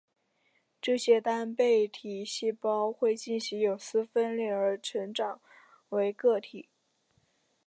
这些单倍体细胞会进行有丝分裂而成长为个体。